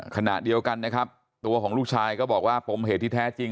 ขณะเดียวกันนะครับตัวของลูกชายก็บอกว่าปมเหตุที่แท้จริง